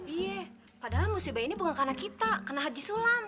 iya padahal musibah ini bukan karena kita kena haji sulam